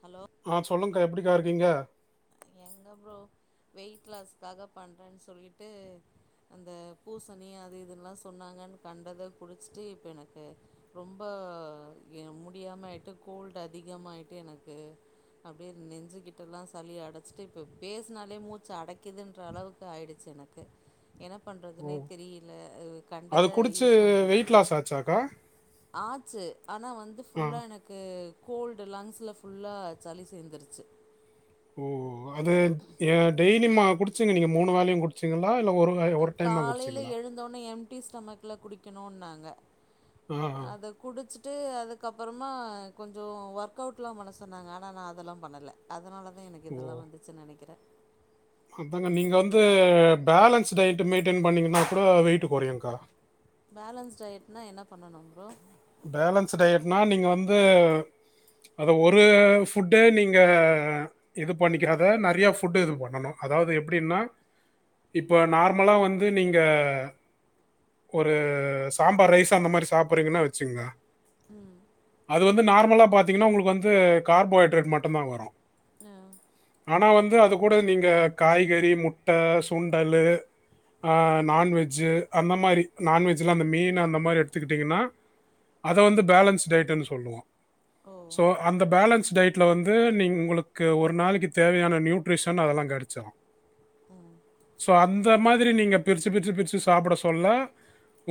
Hello ஆஹ் சொல்லுங்க்கா எப்படிக்கா இருக்கீங்க எங்க அப்புறோம் வெயிட் லாஸ்க்காக பண்ணுறேன்னு சொல்லிட்டு அந்த பூசணி அது இதெல்லாம் சொன்னாங்கன்னு கண்டதை குடிச்சிட்டு இப்போ எனக்கு ரொம்ப முடியாம ஆயிட்டு கோல்டு அதிகமாகாயிட்டு எனக்கு அப்படியே நெஞ்சிக்கிட்டெலாம் சளி அட இப்ப பேசினாலே மூச்சு அடைக்குிதுன்ற அளவுக்கு ஆயிடுச்சு எனக்கு என்ன ஓ! பண்றதுனே தெரியல அது கண்டத குடிச்சு வெயிட் லாஸ் ஆச்சாக்கா ஆச்சி ஆனால் வந்து ஆ. ஃபுல்லாக எனக்கு கோல்டு லங்ஸ்ல ஃபுல்லா சளி சேந்துருச்சு ஓ அது டெய்லிமா குடிச்சிங்க நீங்க மூணு வேலையு குடிச்சிங்களா காலையில எழுந்தோனே எம்டி ஸ்டமக்ல குடிக் க்கணுனாங்க ஆ, ஆ. அத குடிச்சுட் குடிச்சிட்டு அதுக்கப்புறமா கொஞ்சோ ஒர்க் அவுட்லா பண்ண சொன்னாங்க ஆனா நா அதெல்லா பண்ணல அதனால [unintelligible] எனக்கு இதெல்லாம வந்துச்சு நெனக்குறே. அது நீங்க வந்து பேலன்ஸ் டயட் மெயின்டென் பண்ணீங்கன்னா கூட வெயிட் கொறையுக்கா பேலன்ஸ் டயட்னா என்ன பண்ணணும் ப்ரோ பேலன்ஸ் டயட்னா நீங்க வந்து அத ஒரு ஃபுட்டு நீங்க அ இது பண்ணிக்காத நெறையா ஃபுட்டு இது பண்ணணு அதாவது எப்டின்னா இப்போ நார்மலா வந்து நீங்க ஒரு சாம்பார் ரைஸ் அந்த மாரி சாப்ட்றீங்கன்னா வச்ச சிங்கா ம் அது வந்து நார்மலா பாத்தீங்கன்னா உங்களுக்கு வந்து கார்போஹைட்ரேட் மட்டும்தா வரு ஆனா வந்து அது கூட நீங்க காய்கறி முட்டை சுண்டலு ஆ நான்வெஜ்ஜு அந்த மாரி நான்வெஜ்ஜ்லா அந்த மீன் அந்த மாரி எடுத்துக்கிட்டீங்கன்னா அத வந்து பேலன்ஸ் டையட்னு சொல்லுவோ ஓ சோ அந்த பேலன்ஸ் டையட்டுல வந்து உங்களுக்கு ஒரு நாளைக்கி தேவையான நியூட்ரிஷன் அதெல்லா கெடைச்சுடும் ம் சோ அந்த மாதிரி நீங்க பிருச்சு பிருச்சு பிருச்சு சாப்ட சொல்ல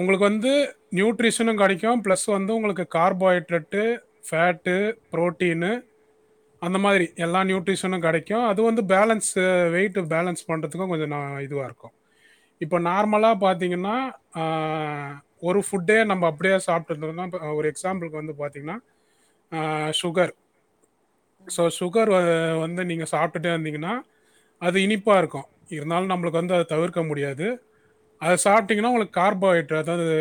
உங்களுக்கு வந்து நியூட்ஷனும் கெடைக்கு ப்ளஸ் வந்து உங்களுக்கு கார்போஹைட்ரேட்டு ஃபேட்டு ப்ரோட்டீனு அந்த மாதிரி எல்லா நியூட்ரிஷனும் கெடைக்கும் அது வந்து பேலன்ஸ்சு வெயிட் பேலன்ஸ் பண்றதுக்கும் கொஞ்சோ ந இதுவா இருக்கும் இப்ப நார்மலா பாத்தீங்கன்னா ஆ ஒரு ஃபுட்டே நம்ப அப்டியே சாப்ட்டுருந்தோ தா ஒரு எக்ஸாம்பிளுக்கு வந்து பாத்தீங்கன்னா ஆ சுகர் சோ சுகர் அ வந் வந்து நீங்க சாப்டுட்டே இருந்தீங்கன்னா அது இனிப்பா இருக்கு இருந்தாலு நம்ளுக்கு வந்து அது தவிர்க்க முடியாது அது சாப்டீங்கன்னா ஒங்களுக்கு கார்போஹைட்ரேட் அதாவது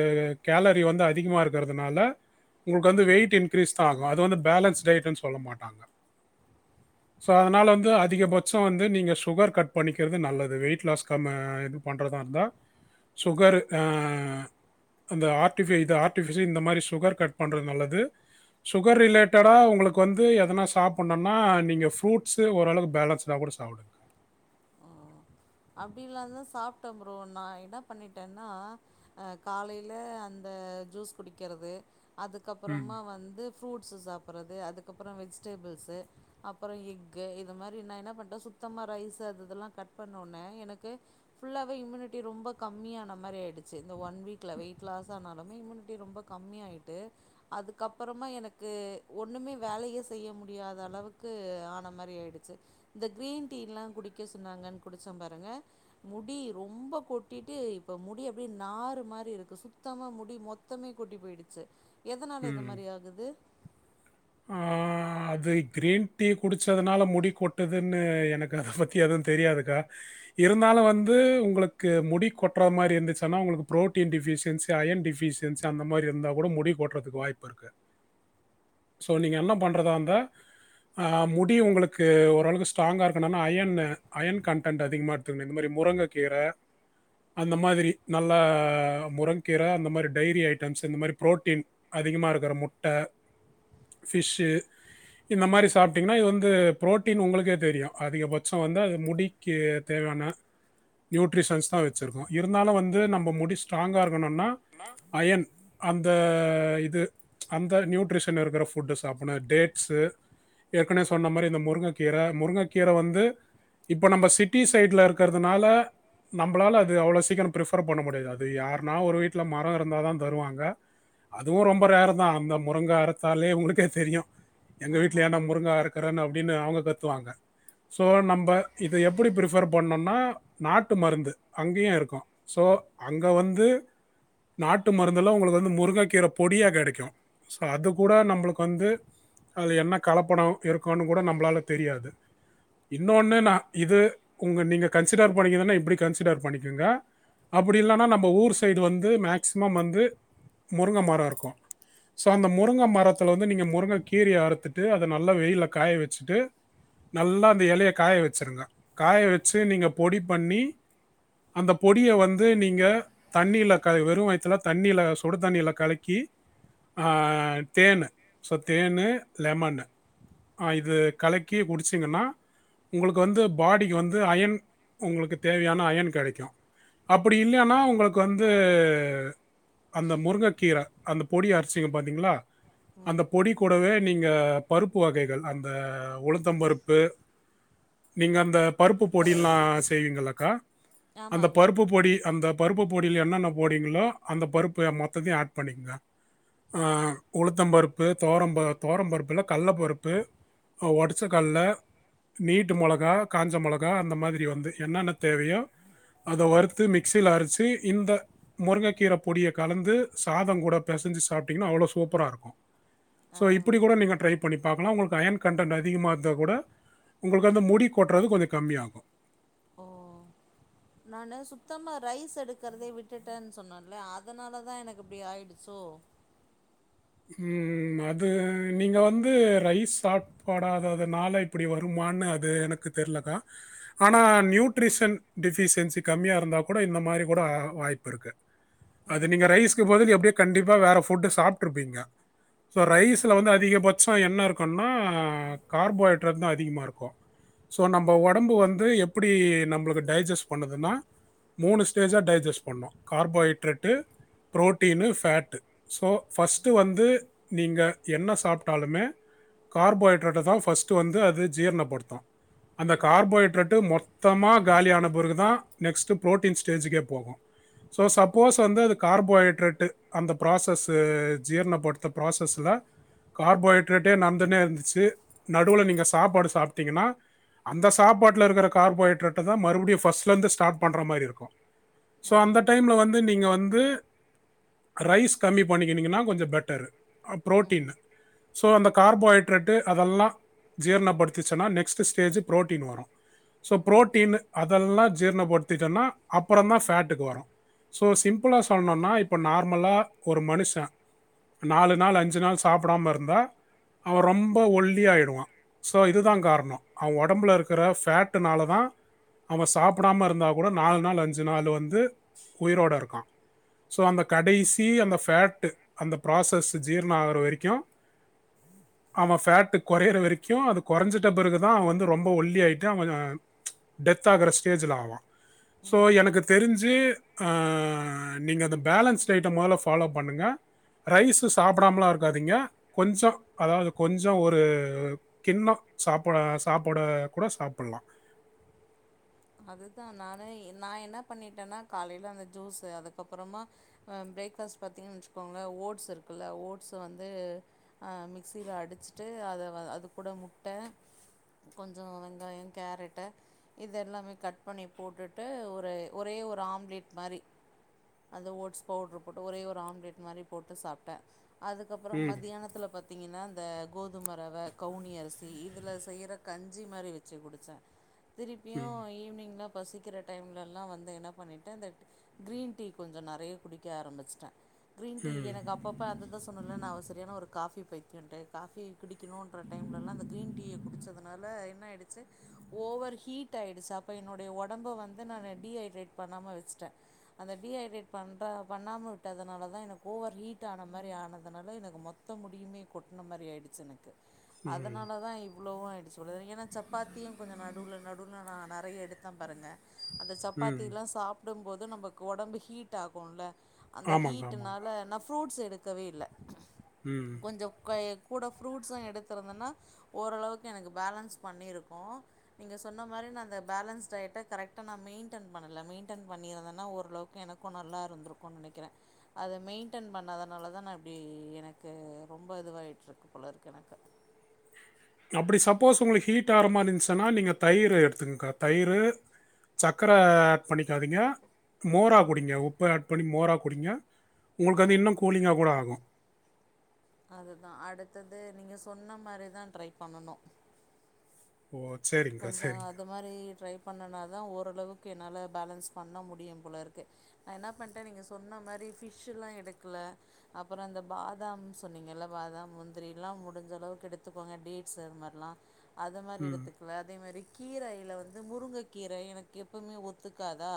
கேலரி வந்து அதிகமா இருக்கறதுனால ஒங்களுக்கு வந்து வெயிட் இன்க்ரீஸ் தா ஆகு அது வந்து பேலன்ஸ்ட் டயட்னு சொல்ல மாட் ஆ சோ அதனால வந்து அதிகபட்சம் வந்து நீங்க சுகர் கட் பண்ணிக்கறது நல்லது வெயிட் லாஸ் கம்ம இது பண்றதா இருந்தா சுகர் ஆ அந்த ஆர் டி ஃபீ இது ஆர் டி ஃபீ சி இந்த மாரி சுகர் கட் பண்றது நல்லது சுகர் ரிலேட்டடா உங்களுக்கு வந்து எதனா சாப்பட்னுனா நீங்க ஃப்ரூட்ஸு ஓரளவுக்கு பேலன்ஸ்டா கூட சாப்டுங்க அப்டி எல்லா தா சாப்ட்டே ப்ரோ நா என்ன பண்ணிட்டேன்னா அஹ் காலையில அந்த ஜூஸ் குடிக்கிறது ம், அதுக்கப்புறமா வந்து ஃப்ரூ ஸு சாப்பறது அதுக்கப்பறோ வெஜிடபிள்ஸூ அப்பறம் எஃகு இந்த மாறி நா என்ன பண்ணிட்டே சுத்தமா ரைஸ் அது இதுலா கட் பண்ணிட் இன்னொன்னு எனக்கு ஃபுல்லாவே இம்யூனிட்டி ரொம்ப கம்மியான மாறி ஆயிடுச்சு இந்த ஒன் வீக்ல வெயிட் லாஸ் ஆனாலுமே இம்யூனிட்டி ரொம்ப கம்மியாயிட்டு அதுக்கப்பறமா எனக்கு ஒன்னுமே வேலையே செய்ய முடியாத அளவுக்கு ஆன மாறி ஆயிடுச்சு இந்த கிரீன் டீ லா குடிக்க சொன்னாங்க குடிச்சே பாருங்க முடி ரொம்ப கொட்டிட்டு இப்ப முடி அப்டி நாறு மாதிரி இருக்கு சுத்தமா முடி மொத்தமே கொட்டி போயிடுச்சு எதனால இந்த ம். மாரி ஆகுது ஆ அது கிரீன் டீ குடிச்சதுனால முடி கொட்டுதுன்னு எனக்கு அத பத்தி எதுவு தெரியாதுக்கா இருந்தாலு வந்து உங்களுக்கு முடி கொட்ற மாரி இருந்துச்சுன்னா உங்களுக்கு ப்ரோட்டீன் டிஃபிஷியன்சி அயன் டிஃபிஷியன்சி அந்த மாரி இருந்தா கூட முடி கொட்றதுக்கு வாய்ப்பு இருக்கு சோ நீங்க என்ன பண்றதா இருந்தா ஆ முடி உங்களுக்கு ஓரளவுக்கு ஸ்ட்ராங்கா இருக்கணுனா அயன்னு அயன் கன்டன்ட் அதிகமா எடுத்துக்கணு இந்த மாரி முருங்கைக்கீர அந்த மாரி நல்லா முருங்கக்கீர அந்த மாரி டைரி ஐட்டம்ஸ் இந்த மாரி புரோட்டீன் அதிகமா இருக்கிற முட்ட பிஷ்ஷு இந்த மாரி சாப்பிட்டீங்கன்னா இது வந்து புரோட்டீன் உங்களுக்கே தெரியு அதிகபட்சம் வந்து அது முடிக்கு தேவையான நியூட்ரிஷன்ஸ் தா வச்சிருக்கு இருந்தாலு வந்து நம்ம முடி ஸ்ட்ராங்கா இருக் பண்ணுன்னா அயன் அந்த இது அந்த நியூட்ரிஷன் இருக்கிற ஃபு ஃபுட் சாப்டனு டேட்ஸ் ஏற்கனவே சொன்ன மாரி இந்த முருங்கைக்கீர முருங்கைக்கீர வந்து இப்ப நம்ம சிட்டி சைட்ல இருக்கிறதுனால நம்மளால அது அவ்ளவு சீக்கரம் ப்ரிஃபர் பண்ண முடியாது அது யாருனா ஒரு வீட்ல மரம் இருந்தா தா தருவாங்க அதுவு ரொம்ப ரேர் தா அந்த முருங்க அறுத்த லே உங்களுக்கே தெரியும் எங்க ஆமா வீட்டுல ஏன்டா முருங்கா அறுக்கறன்னு அப்டினு அவுங்க கத்துவாங்க சோ நம்ப இத எப்புடி ப்ரிஃபர் பண்ணுனா நாட்டு மருந்து அங்கயு இருக்கு சோ அங்க வந்து நாட்டு மருந்துல ஒங்களுக்கு வந்து முருங்கைக்கீர பொடியா கெடைக்கு சோ அது கூட நம்ளுக்கு வந்து அது என்ன கலப்படம் இருக்குன் கூட நம்ளால தெரியாது இன்னொனு நா இது உங்க நீங்க கன்சிடர் பண்ணீங்கதனா இப்புடி கன்சிடர் பண்ணிக்கங்க அப்புடி இல்லனா நம்ம ஊர் சைடு வந்து மேக்சிமம் வந்து முருங்க மரம் இருக்கும் சோ அந்த முரு முருங்க மரத்துல வந்து நீங்க முருங்க கீரய அறுத்துட்டு அத நல்லா வெயில்ல காய வச்சுட்டு நல்லா அந்த எலய காய வச்சுருங்க காய வச்சு நீங்க பொடி பண்ணி அந்த பொடிய வந்து நீங்க தண்ணியில க வெறு வயித்துல தண்ணியில சுடு தண்ணியில கலக்கி ஆஹ் தேனு சோ தேனு லெமனு ஆஹ் இது கலக்கி குடிச்சீங்கன்னா உங்களுக்கு வந்து பாடிக்கு வந்து அயன் உங்களுக்கு தேவையான அயன் கெடைக்கு அப்படி இல்லைன்னா உங்களுக்கு வந்து அந்த முருங்கைக்கீர அந்த பொடி அரச்சிங்க பாத்தீங்களா அந்த ம் பொடி கூடவே நீங்க பருப்பு வகைகள் அந்த உளுந்தப் பருப்பு நீங்க அந்த பருப்பு பொடில்லா செய்வீங்களக்கா அந்த ஆமாங் பருப்பு பொடி அந்த பருப்பு பொடில என்னென்ன போடிங்களோ அந்த பருப்ப மொத்தத்தையு ஆட் பண்ணிக்கங்க ஆ உளுத்தம் பருப்பு தொவரம்ப தொவரம் பருப்பில்ல கடல பருப்பு ஒடைச்ச கடல நீட்டு மொளகா காஞ்ச மொளகா அந்த மாரி வந்து என்னென்ன தேவையோ அத வறுத்து மிக்சியில அரச்சு இந்த முருங்கைக்கீர பொடிய கலந்து சாதம் கூட பெசஞ்சு சாப்ட்டிங்கன்னா அவ்வளோ சொ சூப்பராக இருக்கு ஆ ஸோ இப்படி கூட நீங்க ட்ரை பண்ணி பாக்கலா உங்ளுக்கு அயன் கன்டென்ட் அதிகமாகருந்த கூட உங்களுக்கு அந்த முடி கொட்றது கொஞ்ச கம்மியாகு ஓ நானு சுத்தமா ரைஸ் எடுக்கிறதே விட்டுட்டேனு சொன்னேல அதுனாலதா எனக்கு இப்டி ஆயிடுச்சோ உம் அது நீங்க வந்து ரைஸ் சாப்படாததுனால இப்டி வருமான்னு அது எனக்கு தெர்லக்கா ஆனா நியூட்ரிஷன் டிஃபிசியன்சி கம்மியா இருந்தா கூட இந்த மாரி கூட வ வாய்ப்பு இருக்கு அது ம் நீங்க ரைஸ்க்கு பதில் எப்டியோ கண்டிப்பா வேற ஃபுட்டு சாப் டுறிப்பிங்க சோ ரைஸ்ல வந்து அதிகபட்சோ என்ன இருக்குனா கார்ஃபோஹைட்ரேட் தா அதிகமா இருக்கு சோ நம்ப ஆ ஒடம்பு வந்து எப்டி நம்ளுக்கு டைஜெஸ்ட் பண்ணுதுனா மூனு ஸ்டேஜா டைஜெஸ்ட் பண்ணு carbohydrate protein fat so first வந்து நீங்க என்ன சாப்ட்டாலுமே கார்ஃபோஹைட்ரேட்ட தா ஃபர்ஸ்ட்டு வந்து அது ஜீரணப்படுத்து அந்த கார்ஃபோஹைட்ரேட்டு மொத்தமா காலியான பிறகு தா நெக்ஸ்ட்டு ப்ரோட்டீன் ஸ்டேஜுக்கே போகு ஸோ சப்போஸ் வந்து அது கார்ஃபோஹைட்ரேட்டு அந்த ப்ராசஸ் ஜீர்ணப்படுத்த ப்ராசஸ்ல கார்ஃபோஹைட்ரேட்டே நட்ந்துனே இருந்துச்சு நடுவுல நீங்க சாப்பாடு சாப்பிட்டீங்கன்னா அந்த சாப்பாட்ல இருக்கிற கார்ஃபோஹைட்ரேட்டை தா மறுபடியும் ஃபஸ்ட்லருந்து ஸ்டார்ட் பண்ணுற மாரி இருக்கு சோ ஆ அந்த டைம்ல வந்து நீங்க வந் ரைஸ் கம்மிப் பண்ணிகினீங்கன்னா கொஞ்ச பெட்டெர்ரு அ ம் ப்ரோட்டீன் சோ கார்பஹைரேட் ஆதலா ஜீரணம் படுத்துச்சின்னா ப்ரோட்டீன் வரு சோ ப்ரோட்டின் அதலா அப்பறந்தா பேட்டுக்கு வரு சோ சிம்பிள்லா சொல்லணுனா இப்ப நார்மலா ஒரு மனுஷ நாலு நாள் அஞ்சு நாள் சாப்பிடாம இருந்தா அவன் ரொம்ப ஒல்லியாயிடுவான் ஸோ இதுதா கார்ணோ அவன் ஒடம்புல இருக்குற ஃபேட்டுனால தா அவன் சாப்பிடாம இருந்தா கூட நாலு நாள் அஞ்சு நாள் வந்து உயிரோட இருக்கான் ஸோ அந்த கடைசி அந்த பேட்டு அந்த பிராஸஸ் ஜீரணம் ஆகுற வரைக்கு ஆமா பேட்டு கொறையுற வரைக்கு அது கொரஞ்சுட்டா பெறகுதா அவ வந்து ரொம்ப ஒல்லி ஆய்ட்டு ஆ டெத் ஆகுற ஸ்டேஜ்லா ஆவா சோ எனக்கு தெருஞ் அஹ் நீங்க அந்த பேலன்ஸ் டேட்ட ஃபால்லோ பண்ணுங்க ரைஸு சாப்டாமலா இருக்காதீங்க கொஞ்சொ அதாவ்து கொஞ்சொ ஒரு கிண்ணோ சாப்ப சாப்பாட கூட சாப்பிட்லா அதுதா நானு நா என்ன பண்ணிட்டேன்னா காலையில அந்த ஜூஸு அதுக்கப்பறமா பிரேக்ஃபாஸ்ட் பார்த்தீங்னு வச்சக்கோங்களே ஓட்ஸ் இருக்குல்ல ஓட்ஸு வந்து அ மிக்ஸியில அடுச்சிட்டு அத வ அதுகூட முட்ட கொஞ்ச வெங்காயோ கேரட்டை இது எல்லாமே கட் பண்ணி போட்டுட்டு ஒரு ஒரே ஒரு ஆம்லேட் மாரி அது ஓட்ஸ் பவுட்ரு போட்டு ஒரே ஒரு ஆம்லேட் மாரி போட்டு சாப்ட்டே அதுக்கப்புறோ ம் மத்தியானத்துல பாத்தீங்கன்னா இந்த கோதும ரவ கவுனி அரிசி இதுல செய்யற கஞ்சி மாரி வச்சு குடிச்சே திருப்பியு ஈ ங்லா பசிக்கிற டைம்லலா வந்து என்ன பண்ணிட்டே இந்த கிரீன் டீ கொஞ்சோ நறைய குடிக்க ஆரம்பிச்சுட்டே கிரீன் டீ எனக்கு அப்பப்ப அததா சொன்னுல நா ஒரு சரியான ஒரு காஃபி பைத்தியண்ட்டு காஃபி குடிக்கணுன்ற டைம்லலா அந்த கிரீன் டீய குடிச்சதுனால என்ன ஆயிடுச்ச ஓவர் ஹீட் ஆயிடுச்சு அப் அப்ப என்னுடைய ஒடம்ப வந்து நானு டீஹைட்ரேட் பண்ணாம வச்சுட்ட அந்த டீஹைட்ரேட் பண்ணற பண்ணாம விட்டதுனாலதா எனக்கு ஓவர் ஹீட் ஆன மாரி ஆனதுனால எனக்கு மொத்த முடியுமே கொட்ன மாரி ஆயிடுச்சு எனக் கு அதனாலதா இவ்வளவு எப்படி சொல்றது ஏன்னா சப்பாத்தியு கொஞ்ச நடுவுல நடுவுல நான் நறைய எடுத்தம் பாருங்க அந்த ம் சப்பாத்திலா சாப் சாப்டும்போது நமக்கு உடம்பு ஹீட் ஆகுல்ல அந்த ஆமாங்க ஆமாங்க ஹீட்னால நா ஃப்ரூட்ஸ் எடுத் க்கவே இல்ல ம் கொஞ்ச கை கூட ஃப்ரூட்ஸும் எடுத்தருந்தன்னா ஓரளவுக்கு எனக்கு பேலன்ஸ் பண்ணியிருக்கு நீங்க சொன்ன மாரி நா அந்த பேலன்ஸ் டயட்ட கரெக்டா நா மெயின்டன் பண்ணல மெயின்டன் பண்ணிருந்தனா ஓரளவுக்கு எனக்கு நல்லாருந்துருக்குன் நெனைக்கிற அத மெயின்டன் பண்ணாதனால தான் நான் இப்பிடி எனக்கு ரொம்ப இதுவாயிட்ருக்கு போல இருக்கு எனக்கு அப்படி சப்போஸ் உங்களுக்கு ஹீட் ஆகற மாரி இருந்துச்சுன்னா நீங்க தயிர் எடுத்துக்கங்கக்கா தயிரு சக்கரை ஆட் பண்ணிக்காதீங்க மோரா குடிங்க உப்பு ஆட் பண்ணி மோரா குடிங்க உங்களுக்கு அது இன்னு ம் கூலிங்கா கூட ஆகும் அதுதா அடுத்தது நீங்க சொன்ன மாரிதா ட்ரை பண்ணணு ஓ சரிங்க்கா சரிங்க்கா பண்ணுனாதா ஓரளவுக்கு என்னால பேலன்ஸ் பண்ண முடியும் போல இருக்கு நா என்ன பண்ட்ட நீங்க சொன்ன மாரி ஃபிஷ்ல்லா எடுக்கல அப்புற அந்த பாதாம் சொன்னீங்கல்ல பாதாம் முந்திரிலா முடிஞ்ச அளவுக்கு எடுத்துக்கோங்க டேட்ஸ் அது மாரிலா அது மாரி ம் எடுத்துக் அதே மாரி கீரையில வந்து முருங்க கீரை எனக்கு எப்பவுமே ஒத்துக்காதா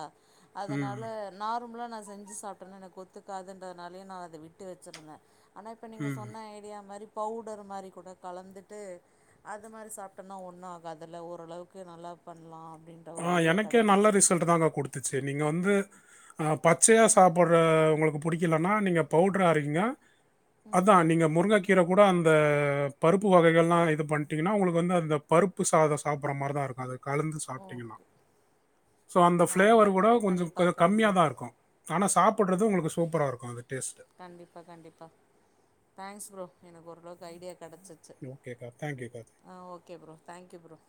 ம் அதனால நா ர்மலா நா செஞ்சு சாப்ட்டனா எனக்கு ஒத்துக்காதுன்றதனாலயே நா அத விட்டு வச்சிருந்த ஆனா இப்ப நீங்க ம் சொன்ன ஐடியா மாரி பவுடர் மாரி கூட கலந்துட்டு அது மாரி சாப்பிட்டனா ஒன்னு ஆ காதுல ஓரளவுக்கு நல்லா பண்லா ஆஹ் எனக்கே நல்ல ரிசல்ட்தாக்கா குடுத்துச்சு நீங்க வந்து அஹ் பச்சையா சாப்படுற உங்களுக்கு புடிக்கலன்னா நீங்க பவுடரா அரைங்க அதா நீங்க முருங்கைக்கீரை கூட அந் ந்த பருப்பு வகைகள்லாம் இது பண்ணிட்டீங்கன்னா உங்களுக்கு வந்து அந்த பருப்பு சாதம் சாப்பிடற மாதிரி தா இருக்கும் அத கலந்து ங்கனா ஓகே சோ அந்த அப்போ நான் அது ஃபிளேவர் மாதிரி கூட ட்ரை பண்ணி கொஞ்சம் பார்க்குறேன் கம்மியா ப்ரோ தா இருக்கும் ஆனா சாப்பிடுறது உங்களு கு சூப்பரா இருக்கு அது டேஸ்ட்டு. கண்டிப்பா கண்டிப்பா தேங்க்ஸ் ப்ரோ எனக்கு ஓரளவுக்கு கைடென் கிடச்சிச்சு ஓகேக்கா. தேங்க்யூக்கா. ஆ okay bro thank you bro